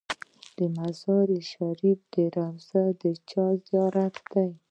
د مزار شریف روضه د چا زیارت دی؟